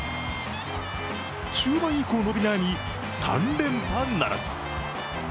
中盤以降伸び悩み、３連覇ならず。